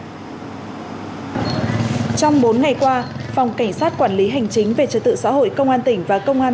trong bốn ngày qua phòng cảnh sát quản lý hành chính về trật tự xã hội công an tỉnh và công an